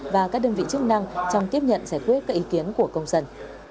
và các đơn vị chức năng trong tiếp nhận giải quyết các ý kiến của công dân